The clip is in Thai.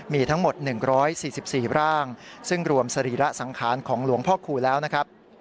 มีทั้งหมด๑๔๔ร่างซึ่งรวมสรีระสังขารของหลวงพ่อคูณแล้วนะครับ